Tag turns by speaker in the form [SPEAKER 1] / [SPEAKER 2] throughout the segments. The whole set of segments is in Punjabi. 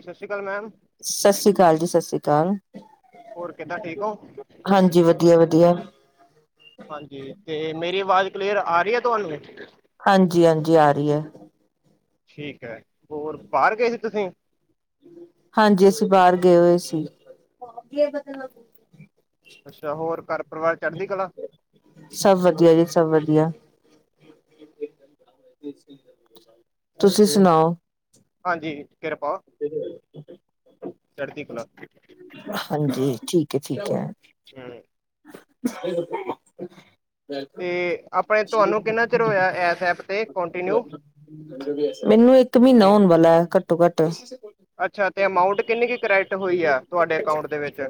[SPEAKER 1] ਸਤਿ ਸ਼੍ਰੀ ਅਕਾਲ ਮੈਮ!
[SPEAKER 2] ਸਤਿ ਸ਼੍ਰੀ ਅਕਾਲ ਜੀ ਸਤਿ ਸ਼੍ਰੀ ਅਕਾਲ!
[SPEAKER 1] ਹੋਰ ਕਿਦਾਂ ਠੀਕ ਹੋ?
[SPEAKER 2] ਹਾਂਜੀ, ਵਧੀਆ-ਵਧੀਆ।
[SPEAKER 1] ਹਾਂਜੀ ਤੇ ਮੇਰੀ ਆਵਾਜ਼ ਕਲੀਅਰ ਆ ਰਹੀ ਹੈ ਤੁਹਾਨੂੰ।
[SPEAKER 2] ਹਾਂਜੀ ਹਾਂਜੀ ਆ ਰਹੀ ਏ।
[SPEAKER 1] ਠੀਕ ਹੈ। ਹੋਰ ਬਾਹਰ ਗਏ ਸੀ ਤੁਸੀਂ
[SPEAKER 2] ਹਾਂਜੀ ਅਸੀਂ ਬਾਹਰ ਗਏ ਹੋਏ ਸੀ।
[SPEAKER 1] ਅੱਛਾ ਹੋਰ ਘਰ ਪਰਿਵਾਰ ਚੜ੍ਹਦੀ ਕਲਾ।
[SPEAKER 2] ਸਭ ਵਧੀਆ ਜੀ ਸਭ ਵਧੀਆ। ਤੁਸੀਂ ਸੁਣਾਓ।
[SPEAKER 1] ਹਾਂਜੀ, ਕਿਰਪਾ
[SPEAKER 2] ਤੇ
[SPEAKER 1] ਚੜ੍ਹਦੀ ਕਲਾ
[SPEAKER 2] ਹਾਂਜੀ, ਠੀਕ ਹੈ ਠੀਕ ਹੈ
[SPEAKER 1] ਹੂੰ ਤੇ ਆਪਣੇ ਤੁਹਾਨੂੰ ਕਿੰਨਾ ਚਿਰ ਹੋਇਆ ਇਸ ਐਪ ਤੇ ਕੰਟੀਨਿਊ
[SPEAKER 2] ਮੈਨੂੰ ਇੱਕ ਮਹੀਨਾ ਹੋਣ ਵਾਲਾ ਘੱਟੋ ਘੱਟ
[SPEAKER 1] ਅੱਛਾ ਤੇ ਅਮਾਊਂਟ ਕਿੰਨੀ ਕੁ ਕਰੈਟ ਹੋਈ ਆ ਤੁਹਾਡੇ ਅਕਾਊਂਟ ਦੇ ਵਿੱਚ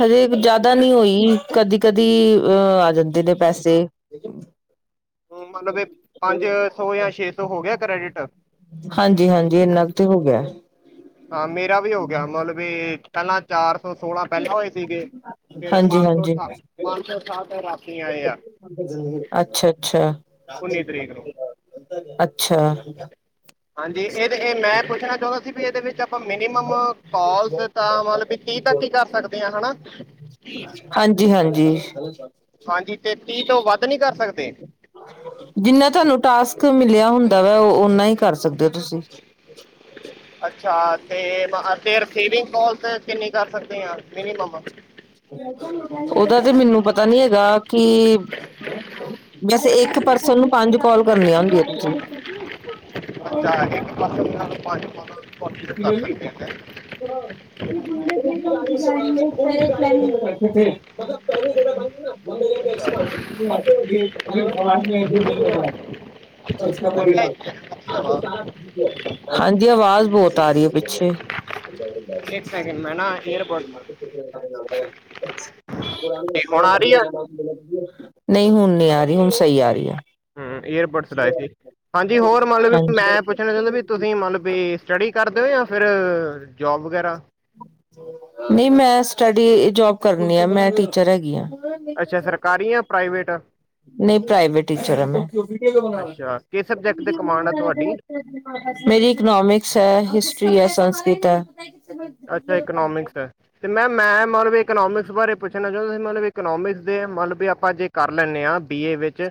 [SPEAKER 2] ਹਜੇ ਜਿਆਦਾ ਨਹੀਂੀ ਹੋਈ, ਕਦੀ ਕਦੀ- ਅ ਆ ਜਾਂਦੇ ਨੇ ਪੈਸੇ
[SPEAKER 1] ਹ ਮਤਲਬ ਇਹ ਪੰਜ ਸੌ ਜਾਂ ਛੇ ਸੌ ਹੋ ਗਿਆ ਕਰ੍ਰੈਡਿਟ
[SPEAKER 2] ਹਾਂਜੀ ਹਾਂਜੀ ਇੰਨਾ ਕੁ ਤੇ ਹੋ ਗਿਆ।
[SPEAKER 1] ਹਾਂ ਮੇਰਾ ਵੀ ਹੋ ਗਿਆ ਮਤਲਬ ਵੀ, ਪਹਿਲਾਂ- ਚਾਰ ਸੌ ਸੋਲਾਂ ਪਹਿਲੇ ਹੋਏ ਸੀਗੇ, ਫੇਰ ਪੰਜ ਸੌ
[SPEAKER 2] ਹਾਂਜੀ-ਹਾਂਜੀ,
[SPEAKER 1] ਅਠਾ ਪੰਜ ਸੌ ਅਠਾਹਠ ਰਾਤੀ ਆਏ ਆ।
[SPEAKER 2] ਅੱਛਾ ਅੱਛਾ,
[SPEAKER 1] ਤਰੀਕ ਨੂੰ
[SPEAKER 2] ਅੱਛਾ।
[SPEAKER 1] ਹਾਂਜੀ ਇਹਦੇ ਇਹ ਮੈਂ ਪੁੱਛਣਾ ਚਾਹੁੰਦਾ ਸੀ ਵੀ ਇਹਦੇ ਵਿੱਚ ਆਪਾਂ ਮਿਨੀਮਮ- ਕੋਲਸ ਤਾਂ ਮਤਲਬ ਵੀ ਤੀਹ ਤਕ ਹੀ ਕਰ ਸਕਦੇ ਹ ਹਨਾ।
[SPEAKER 2] ਹਾਂਜੀ ਹਾਂਜੀ।
[SPEAKER 1] ਹਾਂਜੀ ਤੇ ਤੀਹ ਤੋਂ ਵੱਧ ਨੀ ਕਰ ਸਕਦੇ
[SPEAKER 2] ਜਿੰਨਾ ਤੁਹਾਨੂੰ ਟਾਸਕ ਮਿਲਿਆ ਹੁੰਦਾ ਵਾ ਉਹ ਓਨਾ ਹੀ ਕਰ ਸਕਦੇ ਹੋ ਤੁਸੀਂ
[SPEAKER 1] ਅੱਛਾ ਤੇ ਰਸੀਵਿੰਗ ਕੋਲਸ ਕਿੰਨੀ ਕਰ ਸਕਦੇ ਆ ਮਿਨੀਮਮ
[SPEAKER 2] ਉਹਦਾ ਤੇ ਮੈਨੂੰ ਪਤਾ ਨੀ ਹੈਗਾ ਕਿ- ਵੈਸੇ ਇੱਕ ਪਰਸਨ ਨੂੰ ਪੰਜ ਕਾਲ ਕਰਨੀੀਆਂ ਹੁੰਦੀਆਂ ਤੁਸੀਂ
[SPEAKER 1] ਇੱਕ ਪਰਸਨ ਨਾਲ ਪੰਜ ਕਰ ਸਕਦੇ ਨੇ।
[SPEAKER 2] ਹ ਮਤਲਬ ਪਹਿ
[SPEAKER 1] ਅੱਛਾ
[SPEAKER 2] ਭਗਾਨ ਮੈਂ
[SPEAKER 1] ਇਹਦਾ ਇੱਕ ਵਧੀਆ ਵਾ।
[SPEAKER 2] ਹਾਂਜੀ ਆਵਾਜ਼ ਬਹੁਤ ਆ ਰਹੀ ਹੈ ਪਿੱਛੇ-
[SPEAKER 1] ਇੱਕ ਸੈਕਿੰ ਮੈ ਨਾ ਇਅਰ ਬਟਸ-
[SPEAKER 2] [inaudible]
[SPEAKER 1] ਹੁਣ ਆ ਰਹੀ ਆ
[SPEAKER 2] ਨਹੀਂ ਹੁਣ ਨਹੀਂੀ ਆ ਰਹੀ ਹੁਣ ਸਹੀ ਆ ਰਹੀ ਹੈ।
[SPEAKER 1] ਹਮ ਇਅਰਬਟਸ ਲਾਾਏ ਸੀ। ਹਾਂਜੀ ਹੋਰ ਮੰਤਲਬ ਵੀ ਮੈਂ ਪੁੱਛਣਾ ਚਾਹੁੰਦਾ ਵੀ
[SPEAKER 2] ਹਾਂਜੀ
[SPEAKER 1] ਤੁਸੀਂ ਮਤਲਬ ਵੀ ਸਟੱਡੀ ਕਰਦੇ ਹੋ ਜਾਂ ਫਿਰ ਜੋਬ ਵਗੈਰਾ-
[SPEAKER 2] ਨਹੀਂ ਮੈਂ ਸਟਡੀ ਜੋਬ ਕਰਨੀ ਆ ਮੈਂ ਟੀਚਰ ਹੈਗੀ ਹਾਂ।
[SPEAKER 1] ਅੱਛਾ ਸਰਕਾਰੀ ਆ ਪ੍ਰਾਈਵੇਟ-
[SPEAKER 2] ਨਹੀਂ ਪ੍ਰਾਈਵੇਟ ਟੀਚਰ ਹੈ ਮੈਂ,
[SPEAKER 1] ਅੱਛਾ ਕਿਸ ਸਬਜੈਕਟ ਤੇ ਕਮਾਂਡ ਆ ਤੁਹਾਡੀ
[SPEAKER 2] ਮੇਰੀ ਇਕਨੋਮਿਕਸ ਹੈ ਹਿਸਟਰੀ ਹੈ ਸੰਸਕ੍ਰਿਤ ਹੈ।
[SPEAKER 1] ਅੱਛਾ ਇਕਨੋਮਿਕਸ ਹੈ। ਤੇ ਮੈਮ ਮੈਂ ਮਤਲਬ ਇਕਨੋਮਿਕਸ ਬਾਰੇ ਪੁੱਛਣਾ ਚਾਹੁੰਦਾ ਸੀ ਮਤਲਬ ਇਕਨੋਮਿਕਸ ਦੇ ਮਤਲਬ ਵੀ ਆਪਾਂ ਜੇ। ਕਰ ਲੈਣੇ ਹਾਂ ਬੀ ਏ ਵਿੱਚ।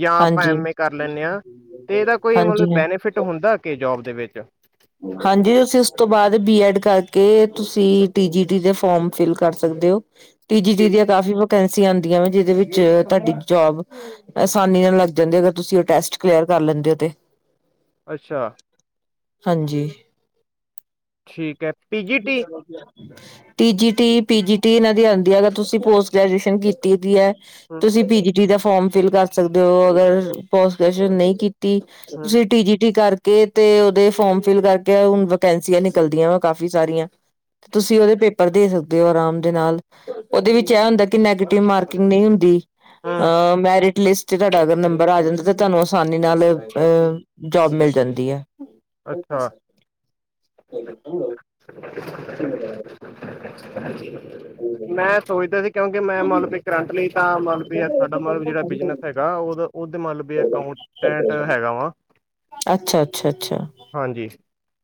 [SPEAKER 1] ਜਾਂ ਆਪਾਂ
[SPEAKER 2] ਹਾਂਜੀ
[SPEAKER 1] ਐਮ ਏ ਕਰ ਲੈਂਦੇ ਹਾਂ ਤੇ ਇਹਦਾ ਕੋਈ ਮਤਲਬ
[SPEAKER 2] ਹਾਂਜੀ ਹਾਂ
[SPEAKER 1] ਬੈਨੀਫਿਟ ਹੁੰਦਾ ਕਿ ਜੋਬ ਦੇ ਵਿੱਚ।
[SPEAKER 2] ਹਾਂਜੀ ਅਸੀਂ ਉਸ ਤੋਂ ਬਾਅਦ ਬੀ ਐਡ ਕਰਕੇ ਤੁਸੀਂ ਟੀਜੀੀ ਟੀ ਦੇ ਫੋਰਮ। ਫਿਲ ਕਰ ਸਕਦੇ ਹੋ ਤੀਜੀ
[SPEAKER 1] ਪੀ-
[SPEAKER 2] ਤੀਜ ਕਾਫੀ ਵੇਕੇਂਸੀਆਂ ਆਂਦੀਆਂ ਵ ਜਿਹਦੇ ਵਿਚ ਤੁਹਾਡੀ ਜੋਬ। ਆਸਾਨੀ ਨਾਲ ਲੱਗ ਜਾਂਦੇ ਅਗਰ ਤੁਸੀਂ ਉਹ ਟੈਸਟ ਕਲੀਅਰ ਕਰ ਲੈਂਦੇ ਤੇ।
[SPEAKER 1] ਅੱਛਾ।
[SPEAKER 2] ਹਾਂਜੀ।
[SPEAKER 1] ਠੀਕ ਹੈ।
[SPEAKER 2] ਠੀਕ
[SPEAKER 1] ਪੀਜੀਟੀ
[SPEAKER 2] ਹੈ ਵਧੀਆ। T G T P G T ਇਹਨਾਂ ਦੀ ਆਉਂਦੀ ਤੁਸੀਂ ਪੋਸਟ ਗ੍ਰੈਜੂਏਸ਼ਨ ਕੀਤੀ ਪੀ ਹੈ।
[SPEAKER 1] ਹੂੰ
[SPEAKER 2] ਤੁਸੀਂ ਪੀ ਜੀ ਟੀ ਦਾ ਫੋਰਮ ਫਿਲ ਕਰ ਸਕਦੇ ਹੋ ਅਗਰ ਪੋਸਟ ਗ੍ਰਜਏਟ ਨਹੀਂ ਕੀ।
[SPEAKER 1] ਹੂੰ
[SPEAKER 2] ਤੁਸੀਂ ਟੀ ਜੀ ਟੀ ਕਰਕੇ ਤੇ ਓਦੇ ਫੋਾਰਮ ਫਿਲ ਕਰਕੇ ਹੁਣ ਵੇਕੈਂਸੀਆਂ ਨਿਕਲਦੀਆਂ। ਕਾਫੀ ਸਾਰੀਆਂ ਤੁਸੀਂ ਉਹਦੇ ਪੇਪਰ ਦੇ ਸਕਦੇ ਹੋ ਆਰਾਮ ਦੇ ਨਾਲ। ਉਹਦੇ ਵਿੱਚ ਇਹ ਹੁੰਦਾ ਕਿ ਨੈਗੇਟਿਵ ਮਾਰਕਿੰਗ ਨਹੀਂ ਹੁੰਦੀ
[SPEAKER 1] ਹੂੰ
[SPEAKER 2] ਅ ਮੈਰਿਟ ਲਿਸਟ ਜੇ ਤੁਹਾਡਾ ਅਗਰ ਨੰਬਰ ਆ ਜਾਂਦਾ ਤੇ ਤੁਹਾਨੂੰ ਆਸਾਨੀ ਨਾਲ ਅ ਜੋਬ ਮਿਲ ਜਾਂਦੀ ਐ।
[SPEAKER 1] ਅੱਛਾ। ਹਾਂਜੀ। ਮੈਂ ਸੋਚਦਾ ਸੀ ਕਿਉਂਕਿ ਮੈਂ ਮਤਲਬ ਵੀ ਕਰੰਟ ਲਈ ਤਾਂ ਮਤਲਬ ਵੀ ਸਾਡਾ ਮਤਲਬ ਜਿਹੜਾ ਬਿਜਨਸ ਹੈ। ਗਾ ਉਹਦਾ ਉਹਦੇ ਮਤਲਬ ਵੀ ਅਕਾਊਂਟੈਂਟ ਹੈਗਾ ਵਾ।
[SPEAKER 2] ਅੱਛਾ ਅੱਛਾ ਅੱਛਾ।
[SPEAKER 1] ਹਾਂਜੀ।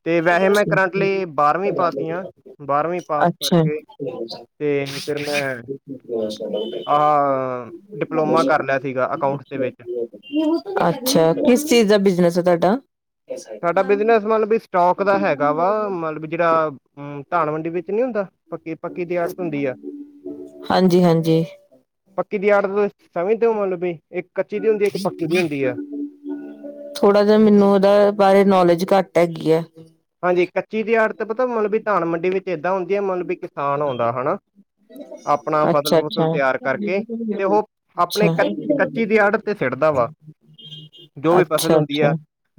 [SPEAKER 1] ਤੇ ਵੈਸੇ ਮੈਂ ਕਰੰਟ ਲਈ ਬਾਰਵੀਂ ਪਾਸ ਆ ਬਾਰਵੀਂ ਪਾਸ
[SPEAKER 2] ਅੱਛਾ
[SPEAKER 1] ਕਰਕੇ ਤੇ ਫਿਰ ਮੈਂ ਆਹ ਡਿਪਲੋਮਾ ਕਰ ਲਿਆ ਸੀਗਾ ਅਕਾਊਂ। ਦੇ ਵਿੱਚ।
[SPEAKER 2] ਅੱਛਾ ਕਿਸ ਚੀਜ਼ ਦਾ ਬਿਜਨਸ ਹੈ ਤੁਹਾਡਾ।
[SPEAKER 1] ਸਾਡਾ ਬਿਜਨਸ ਮਤਲਬ ਵੀ ਸਟੋਕ ਦਾ ਹੈਗਾ ਵਾ ਮਤਲਬ ਜਿਹੜਾ ਹਮ ਧਾਨ ਮੰਡੀ ਵਿੱਚ ਨੀ ਹੁੰਦਾ ਪੱਕੀ ਪੱਕੀ ਦੀ ਆੜਤ ਹੁੰਦੀ ਆ।
[SPEAKER 2] ਹਾਂਜੀ ਹਾਂਜੀ।
[SPEAKER 1] ਪੱਕੀ ਦੀ ਆੜਤ ਮਤਲਬ ਵੀ ਇੱਕ ਕੱਚੀ ਦੀ ਹੁੰਦੀ ਹੈ ਇੱਕ ਪੱਕੀ ਦੀ ਹੁੰਦੀ ਏ।
[SPEAKER 2] ਥੋੜਾ ਜਾ ਮੈਨੂੰ ਉਹਦਾ ਬਾਰੇ ਨੌਲੇਜ ਘੱਟ ਹੈਗੀ ਆ।
[SPEAKER 1] ਹਾਂਜੀ ਕੱਚੀ ਦੀ ਆੜਤ ਪਤਾ ਮਤਲਬ ਵੀ ਧਾਨ ਮੰਡੀ ਵਿੱਚ ਏਦਾਂ ਹੁੰਦੀ ਹੈ ਮਤਲਬ ਵੀ ਕਿਸਾਨ ਆਉਂਦਾ ਹਨਾ। ਆਪਣਾ ਫਸਲ
[SPEAKER 2] ਅੱਛਾ
[SPEAKER 1] ਫੁਸਲ
[SPEAKER 2] ਅੱਛਾ
[SPEAKER 1] ਤਿਆਰ ਕਰਕੇ ਤੇ ਉਹ ਆਪਣੇ
[SPEAKER 2] ਅੱਛਾ
[SPEAKER 1] ਕ ਕੱਚੀ ਦੀ ਆੜ। ਤੇ ਚੜ੍ਹਦਾ ਵਾ। ਜੋ ਵੀ ਫਸਲ
[SPEAKER 2] ਅੱਛਾ
[SPEAKER 1] ਹੁੰਦੀ
[SPEAKER 2] ਅੱਛਾ
[SPEAKER 1] ਹੈ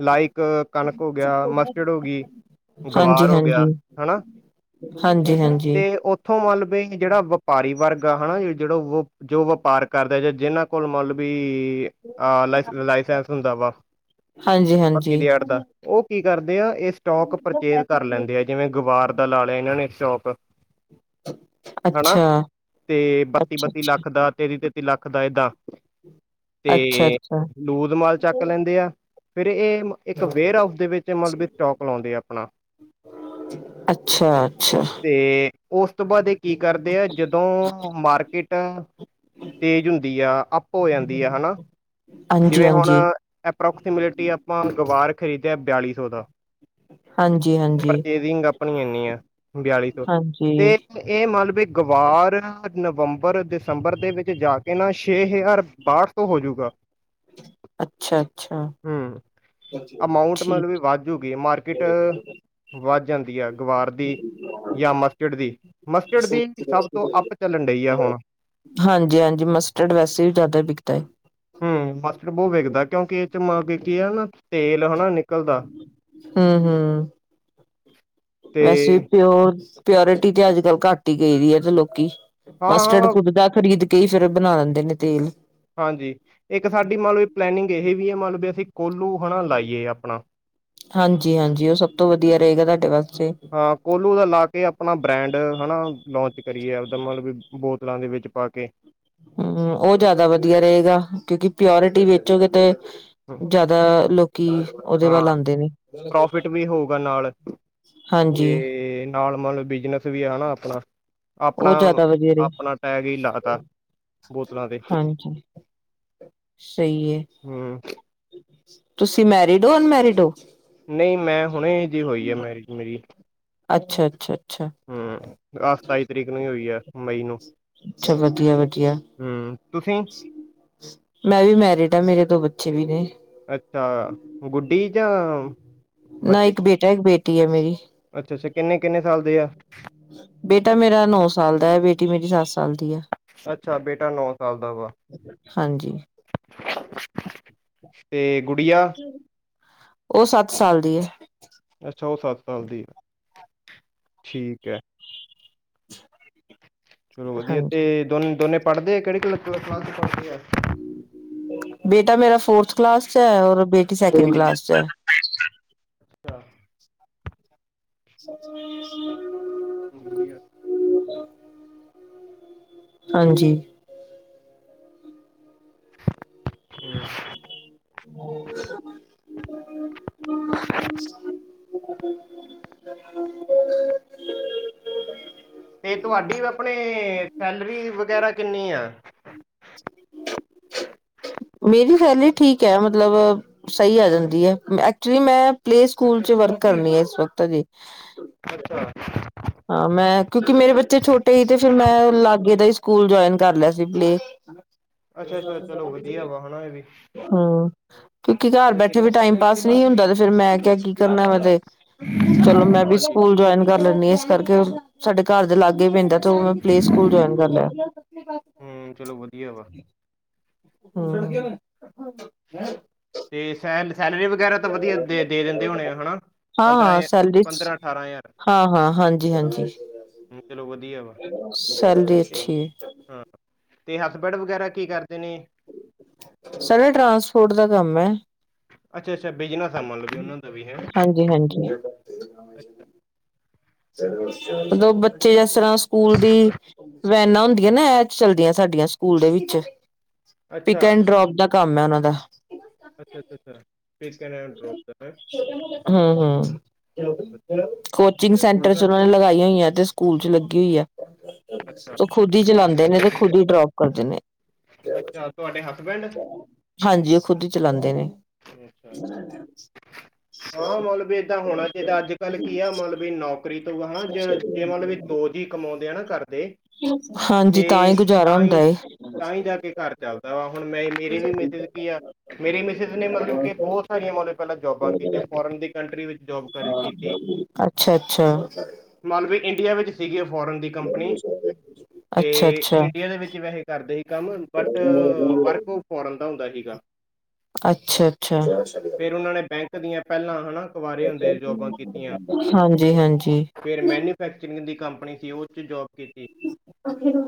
[SPEAKER 1] ਲਾਇਕ ਕਣਕ ਹੋ ਗਿਆ ਮਸਟਡ ਹੋ ਗਈ।
[SPEAKER 2] ਹਾਂਜੀ
[SPEAKER 1] ਗਵਾਰ ਹੋ ਗਿਆ
[SPEAKER 2] ਹਾਂਜੀ
[SPEAKER 1] ਹਣਾ।
[SPEAKER 2] ਹਾਂਜੀ ਹਾਂਜੀ।
[SPEAKER 1] ਫੋਲ ਬੈਕ ਜਿਹੜਾ ਵਪਾਰੀ ਵਰਕ। ਹੈਨਾ ਜਿਹੜਾ ਜੋ ਵਪਾਰ ਕਰਦਾ ਜਾਂ ਜਿਹਨਾਂ ਕੋਲ ਮਤਲਬ ਵੀ ਆਹ ਲ ਲਾਇਸੈਂਸ ਹੁੰਦਾ ਵਾੱ
[SPEAKER 2] ਹਾਂਜੀ
[SPEAKER 1] ਫ਼ਕੀ
[SPEAKER 2] ਹਾਂਜੀ
[SPEAKER 1] ਦੀ ਅੜ ਦਾ। ਉਹ ਕੀ ਕਰਦੇ ਆ ਇਸ ਸਟੋਕ ਪਰਚੇਜ ਕਰ ਲੈਂਦੇ ਆ ਜਿਵੇਂ ਗਵਾਰ ਦਾ ਲਾ ਲਿਆ ਇਹਨਾਂ ਨੇ ਇਕ ਸਟੋਕ। ਹਨਾ
[SPEAKER 2] ਅੱਛਾ
[SPEAKER 1] ਤੇ
[SPEAKER 2] ਅੱਛਾ
[SPEAKER 1] ਬੱਤੀ-ਬੱਤੀ
[SPEAKER 2] ਅੱਛਾ
[SPEAKER 1] ਲੱਖ ਦਾ ਤੇਰੀ ਤੇ ਲੱਖ ਦਾ ਏਦਾਂ ਤੇ
[SPEAKER 2] ਅੱਛਾ ਅੱਛਾ
[SPEAKER 1] ਲੂਜ ਮਾਲ ਚੱਕ ਲੈਂਦੇ ਆ ਫੇਰ ਇਹ ਇੱਕ ਵੇਅਰ ਆਫ ਦੇ ਵਿੱਚ ਮਤਲਬ ਸਟੋਕ ਦੇ ਆਪਣਾ
[SPEAKER 2] ਅੱਛਾੱ
[SPEAKER 1] ਤੇ ਉਸ ਤੋਂ ਬਾਅਦ ਇਹ ਕੀ ਕਰਦੇ ਆ ਜਦੋਂ ਮਾਰਕੀਟ ਤੇਜ਼ ਹੁੰਦੀ ਆ ਅੱਪ ਹੋ ਜਾਂਦੀ ਆ ਹੈਨਾ
[SPEAKER 2] ਹਾਂਜੀ-ਹਾਂਜੀ
[SPEAKER 1] ਅਪਰੋਕਸੀਮੇਟਲੀ ਆਪਾਂ ਗਵਾਰ ਖਰੀਦਿਆ ਬਿਆਲੀ ਸੌ ਦਾ
[SPEAKER 2] ਹਾਂਜੀ-ਹਾਂਜੀ
[SPEAKER 1] ਪਰਚੇਜਿੰਗ ਆਪਣੀ ਇਨੀ ਆ, ਬਿਆਲੀ ਸੌ
[SPEAKER 2] ਹਾਂਜੀ
[SPEAKER 1] ਤੇ ਇਹ ਮਤਲਬ ਗਵਾਰ ਨਵੰਬਰ ਦਸੰਬਰ ਦੇ ਵਿੱਚ ਜਾ ਕੇ ਨਾ ਛੇ ਹਜ਼ਾਰ ਬਾਹਠ ਸੋ ਹੋਜੂਗਾ
[SPEAKER 2] ਅੱਛਾ-ਅੱਛਾ
[SPEAKER 1] ਹਮ, ਆਮਊਂਟ ਮਤਲ ਵੀ ਵਧਜੂ ਮਾਰਕੀਟ ਵੱਧ ਜਾਂਦੀ ਹੈ ਗਵਾਰ ਦੀ ਜਾਂ ਮਸਕਿਟ ਦੀ, ਮਸਕਿਡ ਦੀ ਸਭ ਤੋਂ ਅੱਪ ਚੱਲਣ ਡਹੀ ਆ ਹੁਣ
[SPEAKER 2] ਹਾਂਜੀ-ਹਾਂਜੀ ਮਸਟਰਡ ਵੈਸੇ ਵੀ ਜ਼ਿਆਦਾ ਵਿਕਦਾ ਹੈ
[SPEAKER 1] ਹੂੰ ਮਸਟਰਰ ਬਹੁਤ ਵਿਕਦਾ ਕਿਉਂਕਿ ਇਹ ਚ ਮ ਕੀ ਹੈ ਨਾ ਤੇਲ ਹਨਾ ਨਿਕਲਦਾ।
[SPEAKER 2] ਹੂੰ ਹੂੰ,
[SPEAKER 1] ਤੇ
[SPEAKER 2] ਵੈਸੇ ਪਿੳਰ ਪਿਓਰਿਟੀ ਤੇ ਅੱਜ ਕੱਲ ਘੱਟ ਹੀ ਗਈਦੀ ਏ ਤੇ ਲੋਕੀ, ਮਸਟਡ
[SPEAKER 1] ਹਾਂ-ਹਾਂ,
[SPEAKER 2] ਖੁੱਦ ਦਾ ਖਰੀਦ ਰਹੀ ਏ ਕਈ ਫਿਰ ਬਣਾ ਦਿੰਦੇ ਨੇ ਤੇਲ
[SPEAKER 1] ਹਾਂਜੀ, ਇੱਕ ਸਾਡੀ ਮੰਨ ਲਓ ਪਲੈਨਿੰਗ ਇਹ ਵੀ ਹੈ ਮੰਨ ਲਓ ਵੀ ਅਸੀਂ ਕੋਲੂ ਹੈਨਾ ਲਾਈਏ ਆਪਣਾ
[SPEAKER 2] ਹਾਂਜੀ ਹਾਂਜੀ ਉਹ ਸਭ ਤੋਂ ਵਧੀਆ ਰਹੇਗਾ ਤੁਹਾਡੇ ਵਾਸਤੇ।
[SPEAKER 1] ਹਾ ਕੋਲੂ ਦਾ ਲਾ ਕੇ ਆਪਣਾ ਬ੍ਰੈਂਡ ਹੈਨਾ ਲੋਂਚ ਕਰੀਏ ਉਹਦਾ ਮਤਲਬ ਵੀ ਬੋਤਲਾਂ ਦੇ ਵਿੱਚ ਪਾ ਕੇ
[SPEAKER 2] ਹੂੰ ਉਹ ਜ਼ਿਆਦਾ ਵਧੀਆ ਰਹੇਗਾ, ਕਿਉਂਕਿ ਪਿਓਰਟੀ ਵੇਚੋਗੇ ਤੇ ਜ਼ਿਆਦਾ ਲੋਕੀ ਉਹਦੇ ਵੱਲ
[SPEAKER 1] ਹਾਂ
[SPEAKER 2] ਆਉਂਦੇ ਨੇ
[SPEAKER 1] ਪ੍ਰੋਫਿਟ ਵੀ ਹੋਊਗਾ ਨਾਲ
[SPEAKER 2] ਹਾਂਜੀ
[SPEAKER 1] ਤੇ ਨਾਲ ਮਤਲਬ ਬਿਜਨਸ ਵੀ ਹੈ ਨਾ ਆਪਣਾ
[SPEAKER 2] ਉਹ ਜ਼ਿਆਦਾ ਵਧੀਆ ਰਹੇ
[SPEAKER 1] ਆਪਣਾ-ਆਪਣਾ ਟੈਗ ਹੀ ਲਾ ਤਾ ਬੋਤਲਾਂ ਤੇ
[SPEAKER 2] ਹਾਂਜੀ ਸਹੀ ਹੈ।
[SPEAKER 1] ਹੂੰ,
[SPEAKER 2] ਤੁਸੀਂ ਮੈਰਿਡ ਹੋ ਅਨਮੈਰਿਡ ਹੋ
[SPEAKER 1] ਨਹੀਂ ਮੈਂ ਹੁਣੇ ਜ ਹੋਈ ਹੈ ਮੈਰਿਜ ਮੇਰੀ
[SPEAKER 2] ਅੱਛਾ-ਅੱਛਾ-ਅੱਛਾ
[SPEAKER 1] ਹਮ ਆਹ ਸਤਾਈ ਤਰੀਕ ਨੂੰ ਹੀ ਹੋਈ ਹੈ ਮਈ ਨੂੰ
[SPEAKER 2] ਅੱਛਾ ਵਧੀਆ-ਵਧੀਆ
[SPEAKER 1] ਹਮ ਤੁਸੀਂ
[SPEAKER 2] ਮੈਂ ਵੀ ਮੈਰਿਡ ਆ ਮੇਰੇ ਦੋ ਬੱਚੇ ਵੀ ਨੇ
[SPEAKER 1] ਅੱਛਾ ਗੁੱਡੀ ਜਾਂ
[SPEAKER 2] ਨਾ
[SPEAKER 1] ਬੱਚੇ
[SPEAKER 2] ਇੱਕ ਬੇਟਾ ਇੱਕ ਬੇਟੀ ਹੈ ਮੇਰੀ
[SPEAKER 1] ਅੱਛਾ-ਅੱਛਾ ਕਿੰਨੇ-ਕਿੰਨੇ ਸਾਲ ਦੇ ਆ
[SPEAKER 2] ਬੇਟਾ ਮੇਰਾ ਨੌ ਸਾਲ ਦਾ ਹੈ ਬੇਟੀ ਮੇਰੀ ਸੱਤ ਸਾਲ ਦੀ ਆ
[SPEAKER 1] ਅੱਛਾ ਬੇਟਾ ਨੌ ਸਾਲ ਦਾ ਵਾ
[SPEAKER 2] ਹਾਂਜੀ
[SPEAKER 1] ਤੇ ਗੁੜੀਆ
[SPEAKER 2] ਉਹ ਸੱਤ ਸਾਲ ਦੀ ਏ।
[SPEAKER 1] ਅੱਛਾ ਉਹ ਸੱਤ ਸਾਲ ਦੀ ਏ ਠੀਕ ਹੈ।
[SPEAKER 2] [inaudible]
[SPEAKER 1] ਚਲੋ ਵਧੀਆ
[SPEAKER 2] ਹਾਂਜੀ
[SPEAKER 1] ਤੇ ਦੋਨ ਦੋਨੇ ਪੜ੍ਹਦੇ ਆ ਕਿਹੜੇ ਕਲਾ ਕਲਾਸਾ ਚ ਪੜਦੇ ਆ।
[SPEAKER 2] ਬੇਟਾ ਮੇਰਾ ਫੋਰਥ ਕਲਾਸ ਚ ਹੈ, ਔਰ ਬੇਟੀ ਸੈਕਿੰਡ
[SPEAKER 1] ਅੱਛਾ,
[SPEAKER 2] ਕਲਾਸ ਚ ਹੈ।
[SPEAKER 1] ਵਧੀਆ ਏ।
[SPEAKER 2] ਹਾਂਜੀ
[SPEAKER 1] ਹੂੰ
[SPEAKER 2] [inaudible] [inaudible]
[SPEAKER 1] ਤੇ ਤੁਹਾਡੀ ਆਪਣੇ ਸੈਲਰੀ ਵਗੈਰਾ ਕਿੰਨੀ ਆ
[SPEAKER 2] ਮੇਰੀ ਸੈਲਰੀ ਠੀਕ ਹੈ ਮਤਲਬ ਸਹੀ ਆ ਜਾਂਦੀ ਏ, ਐਕਚੁਲੀ ਮੈਂ ਪਲੇ ਸਕੂਲ ਚ ਵਰਕ ਕਰਨੀ ਆ ਇਸ ਵਕਤ ਜੀ।
[SPEAKER 1] ਅੱਛਾ।
[SPEAKER 2] ਹਾਂ ਮੈਂ ਕਿਉਂਕਿ ਮੇਰੇ ਬੱਚੇ ਛੋਟੇ ਸੀ ਤੇ ਫਿਰ ਮੈਂ ਲਾਗੇ ਦੇ ਹੀ ਸਕੂਲ ਜੁਆਇਨ ਕਰ ਲਿਆ ਸੀ ਪਲੇ। [inaudible]
[SPEAKER 1] ਅੱਛਾ ਅੱਛਾ ਚਲੋ ਵਧੀਆ ਵਾ ਹਣਾ ਵੇ।
[SPEAKER 2] ਹੂ ਕਿਉਂਕਿ ਘਰ ਬੈਠੇ ਵੀ ਟਾਈਮ ਪਾਸ ਨਹੀਂ ਹੁੰਦਾ ਤੇ ਫਿਰ ਮੈਂ ਕਿਹਾ ਕੀ ਕਰਨਾ ਵਾ ਤੇ ਚਲੋ ਮੈਂ ਵੀ
[SPEAKER 1] ਹਾਂਜੀ।
[SPEAKER 2] ਸਕੂਲ ਜੁਆਇਨ ਕਰ ਲੈਂਦੀ ਹਾਂ ਇਸ ਕਰਕੇ ਸਾਡੇ ਘਰ ਦੇ ਲਾਗੇ ਪੈਂਦਾ ਤੂੰ ਪਲੀਜ਼ ਸਕੂਲ ਜੁਆਇਨ ਕਰ ਲਿਆ।
[SPEAKER 1] ਹੂ ਚਲੋ ਵਧੀਆ ਵਾ।
[SPEAKER 2] ਹੂ,,, [unintelligible]
[SPEAKER 1] ਤੇ ਸੈ ਸੈਲਰੀ ਵਗੈਰਾ ਤਾਂ ਵਧੀਆ ਦੇ ਦੇ ਦਿੰਦੇ ਹੋਣੇ ਆ ਹਨਾ।
[SPEAKER 2] ਹਾਂ
[SPEAKER 1] ਪੰਦਰਾਂ
[SPEAKER 2] ਹਾਂ
[SPEAKER 1] ਜਾਂ
[SPEAKER 2] ਸੈਲਰੀ
[SPEAKER 1] ਪੰਦਰਾਂ-ਅਠਾਰਾਂ ਹਜ਼ਾਰ।
[SPEAKER 2] ਹਾਂ ਹਾਂ ਹਾਂਜੀ ਹਾਂਜੀ
[SPEAKER 1] ਹਮ, ਚਲੋ ਵਧੀਆ ਵਾ
[SPEAKER 2] ਸੈਲਰੀ
[SPEAKER 1] ਤੇ
[SPEAKER 2] ਅੱਛੀ ਹੈ।
[SPEAKER 1] ਹਾਂ ਤੇ ਹਸਬੈਂਡ ਵਗੈਰਾ ਕੀ ਕਰਦੇ ਨੇ
[SPEAKER 2] ਸਾਡਾ ਟਰਾਂਸਪੋਰਟ ਦਾ ਕੰਮ ਹੈ।
[SPEAKER 1] ਅੱਛਾ ਅੱਛਾ ਬਿਜਨਾਸ ਆ ਮੰਨ ਲਓ ਉਹਨਾਂ ਦਾ ਵੀ ਹੈ।
[SPEAKER 2] ਜੀ ਹਾਂਜੀ
[SPEAKER 1] ਅੱਛਾ।
[SPEAKER 2] ਦੋ ਬੱਚੇ ਇਸ ਤਰ੍ਹਾਂ ਸਕੂਲ ਦੀ ਵੈਨਾਂ ਹੁੰਦੀਆਂ ਨਾ ਇਹ ਐਛਲ ਸਾਡੀਆਂ ਸਕੂਲ ਦੇ ਵਿੱਚ ਪਿਕ
[SPEAKER 1] ਅੱਛਾ
[SPEAKER 2] ਐਂਡ ਡਰੋਪ ਦਾ ਕੰਮ ਹੈ ਉਹਨਾਂ ਦਾ
[SPEAKER 1] ਅੱਛਾ-ਅੱਛਾ, ਅੱਛਾ। ਪਿਕ ਐਂਡ ਡਰੋਪ ਦਾ ਹੈ
[SPEAKER 2] ਹੂ
[SPEAKER 1] ਵਧੀਆ
[SPEAKER 2] ਕੋਚਿੰਗ
[SPEAKER 1] ਵਧੀਆ
[SPEAKER 2] ਸੈਂਟਰ ਚ ਉਹਨਾਂ ਨੇ ਲਗਾਈਆਂ ਹੋਈਆਂ ਤੇ ਸਕੂਲ ਚ ਲੱਗੀ ਹੋਈ ਹੈ
[SPEAKER 1] ਅੱਛਾ
[SPEAKER 2] ਤੇ ਖੁੱਦ ਗਡੀ ਚਲਾਉਂਦੇ ਨੇ ਤੇ ਖੁਦ ਹੀ ਡਰੋਪ ਕਰਦੇ ਨੇ।
[SPEAKER 1] ਅੱਛਾ ਤੁਹਾਡੇ ਹਸਬੈਂਡ
[SPEAKER 2] ਹਾਂਜੀ ਉਹ ਖੁਦ ਹੀ ਚਲਾਉਂਦੇ ਨੇ।
[SPEAKER 1] [inaudible]
[SPEAKER 2] [unintelligible]
[SPEAKER 1] ਹਾਂ ਮਲਬ ਏਦਾ ਹੋਣਾ ਚਾਹੀਦਾ ਅੱਜ ਕੱਲ ਕੀ ਆ ਮਲਬ ਵੀ ਨੌਕਰੀ ਤੋਂ ਬਾਅਦ ਚ ਜਿਨਾ ਦੇ ਵੀ ਦੋ ਜੀ ਕਮਾਉਂਦੇ ਹਨ ਘਰ ਦੇ
[SPEAKER 2] ਹਾਂਜੀ ਤਾਂ ਹੀ ਗੁਜ਼ਾਰਾ ਹੁੰਦਾ ਏ।
[SPEAKER 1] ਤਾਂ ਹੀ ਜਾ ਕੇ ਘਰ ਚੱਲਦਾ ਵਾ ਹੁਣ ਮੈਂ ਮੇਰੇ ਵੀ ਮਿਸਿਜ ਕੀ ਆ ਮੇਰੇ ਮਿਸਿਜ ਨੇ ਮਤਲਬ ਕਿ ਬਹੁਤ ਸਾਰੀਆਂ ਉਹ ਨੇ ਪਹਿਲਾਂ ਜੋਬਾਂ ਕੀਤੀ ਫੋਰਨ ਦੀ ਕੰਟਰੀ ਵਿੱਚ ਜੋਬ ਕਰ ਕੀਤੀ
[SPEAKER 2] ਅੱਛਾ ਅੱਛਾ
[SPEAKER 1] ਮਾਨਲੋ ਇੰਡੀਆ ਵਿੱਚ ਸੀਗੀ ਫੋਰਨ ਦੀ ਕੰਪਨੀ ਤੇ
[SPEAKER 2] ਅੱਛਾ ਅੱਛਾ
[SPEAKER 1] ਇੰਡੀਆ ਦੇ ਵਿੱਚ ਵੈਸੇ ਕਰਦੇ ਹੀ ਕੰਮ ਬਟ ਵਰਕ ਫੋਰਨ ਦਾ ਹੁੰਦਾ ਹੀਗਾ।
[SPEAKER 2] ਅੱਛਾ- ਅੱਛਾ।
[SPEAKER 1] ਫਿਰ ਉਹਨਾਂ ਨੇ ਬੈਂਕ ਦੀਆਂ ਪਹਿਲਾਂ ਹਨਾ ਕੁਵਾਰੇ ਹੁੰਦੇ ਜੌਬਾਂ ਕੀਤੀਆਂ
[SPEAKER 2] ਹਾਂਜੀ ਹਾਂਜੀ
[SPEAKER 1] ਫਿਰ ਮੈਨੂਫੈਕਚਰਿੰਗ ਦੀ ਕੰਪਨੀ ਸੀ ਉਹ 'ਚ ਜੋਬ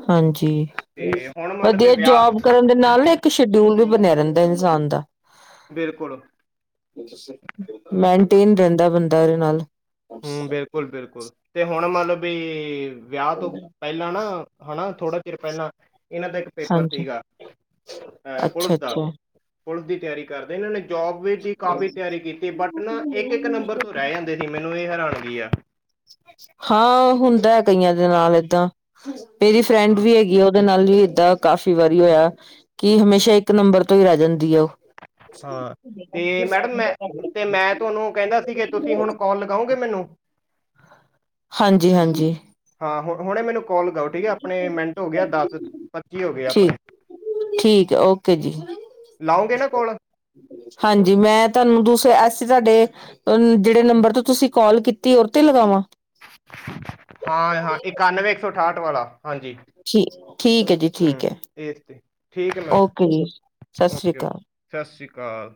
[SPEAKER 2] ਹਾਂਜੀ
[SPEAKER 1] ਤੇ ਹੁਣ ਮੰਨ ਵੀ
[SPEAKER 2] ਵਧੀਆ
[SPEAKER 1] ਵਿਆਹ
[SPEAKER 2] ਜੋਬ ਕਰਨ ਦੇ ਨਾਲ ਨਾ ਇੱਕ ਸ਼ਡਿਊਲ ਵੀ ਬਣਿਆ ਰਹਿੰਦਾ ਇਨਸਾਨ ਦਾ
[SPEAKER 1] ਬਿਲਕੁਲ
[SPEAKER 2] ਮੈਨਟੇਨ ਰਹਿੰਦਾ ਬੰਦਾ ਇਹਦੇ ਨਾਲ
[SPEAKER 1] ਹੂ ਬਿਲਕੁਲ ਬਿਲਕੁਲ ਤੇ ਹੁਣ ਮੰਨ ਲਓ ਵੀ ਵਿਆਹ ਤੋਂ ਪਹਿਲਾਂ ਨਾ ਹਨਾ ਥੋੜਾ ਚਰ ਪਹਿਲਾਂ ਇਹਨਾਂ ਦਾ ਇੱਕ ਪੇਪਰ
[SPEAKER 2] ਹਾਂਜੀ
[SPEAKER 1] ਸੀਗਾ ਅਹ ਪੁਲਿਸ
[SPEAKER 2] ਅੱਛਾ
[SPEAKER 1] ਦਾ
[SPEAKER 2] ਅੱਛਾ
[SPEAKER 1] ਪੁਲਿਸ ਦੀ ਤਿਆਰੀ ਕਰਦੇ ਇਹਨਾਂ ਨੇ ਜੋਬ ਦੀ ਕਾਫ਼ੀ ਤਿਆਰੀ ਕੀਤੀ ਬਟ ਨਾ ਇੱਕ ਇੱਕ ਨੰਬਰ ਤੋਂ ਰਹਿ ਜਾਂਦੇ ਸੀ। ਮੈਨੂੰ ਇਹ ਹੈਰਾਨ ਗਈ ਹੈ।
[SPEAKER 2] ਹਾਂ ਹੁੰਦਾ ਹੈ ਕਈਆਂ ਦੇ ਨਾਲ ਏਦਾਂ ਮੇਰੀ ਫਰੈਂਡ
[SPEAKER 1] ਹਾਂ।
[SPEAKER 2] ਵੀ ਹੈਗੀ ਉਹਦੇ ਨਾਲ ਵੀ ਇਦਾਂ ਕਾਫ਼ੀ ਵਾਰੀ ਹੋਇਆ ਕਿ ਹਮੇਸ਼ਾ ਇੱਕ ਨੰਬਰ ਤੋਂ ਹੀ ਰਹਿ ਜਾਂਦੀ ਹੈ ਉਹ
[SPEAKER 1] ਹਾਂ ਤੇ ਮੈਡਮ ਮੈਂ ਤੇ ਮੈਂ ਤੁਹਾਨੂੰ ਕਹਿੰਦਾ ਸੀ ਕਿ ਤੁਸੀਂ ਹੁਣ ਕਾਲ ਲਗਾਓਗੇ ਮੈਨੂੰ
[SPEAKER 2] ਹਾਂਜੀ ਹਾਂਜੀ
[SPEAKER 1] ਹਾਂ ਹੁ ਹੁਣੇ ਮੈਨੂੰ ਕੋਲ ਕਰੋ ਠੀਕ ਹੈ ਆਪਣੇ ਮਿੰਟ ਹੋ ਗਿਆ ਦਸ ਪੱਚੀ ਹੋ ਗਏ
[SPEAKER 2] ਠੀਕ
[SPEAKER 1] ਆਪਣੇ-
[SPEAKER 2] ਠੀਕ ਹੈ ਓਕੇ ਜੀ
[SPEAKER 1] ਲਾਉਗੇ ਨਾ ਕੋਲ
[SPEAKER 2] ਹਾਂਜੀ ਮੈਂ ਤੁਹਾਨੂੰ ਦੂਸਰੇ ਐਸੇ ਤੁਹਾਡੇ ਜਿਹੜੇ ਨੰਬਰ ਤੋਂ ਤੁਸੀਂ ਕਾਲ ਕੀਤੀ ਉਹ ਤੇ ਲਗਾਵਾਂ
[SPEAKER 1] ਹਾਂ ਹਾਂ ਇਕਾਨਵੇਂ ਇੱਕ ਸੌ ਅਠਾਹਠ ਵਾਲਾ ਹਾਂਜੀ-
[SPEAKER 2] ਠੀ ਠੀਕ ਹੈ ਜੀ
[SPEAKER 1] ਹੂੰ
[SPEAKER 2] ਠੀਕ ਹੈ
[SPEAKER 1] ਇਸ ਤੇ ਠੀਕ ਹੈ ਮੈਮ
[SPEAKER 2] ਓਕੇ ਜੀ ਸਤਿ ਸ੍ਰੀ
[SPEAKER 1] ਓਕੇ ਓਕੇ
[SPEAKER 2] ਅਕਾਲ।
[SPEAKER 1] ਸਤਿ ਸ਼੍ਰੀ ਅਕਾਲ